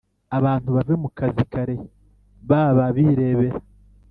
abantu bave ku kazi kare baba birebera